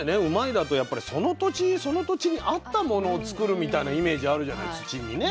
だとその土地その土地に合ったものを作るみたいなイメージあるじゃない土にね。